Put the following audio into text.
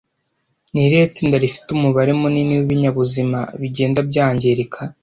Ni irihe tsinda rifite umubare munini w’ibinyabuzima bigenda byangirika